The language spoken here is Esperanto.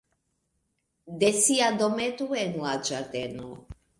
De sia dometo en la ĝardeno.